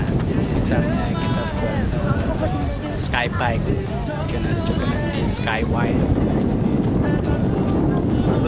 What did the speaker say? misalnya kita akan skybike